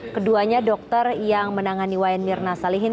keduanya dokter yang menangani wayan mirna salihin